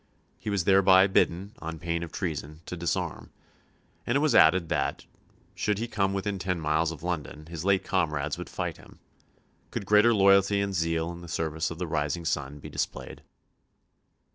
He was thereby bidden, on pain of treason, to disarm, and it was added that, should he come within ten miles of London, his late comrades would fight him. Could greater loyalty and zeal in the service of the rising sun be displayed?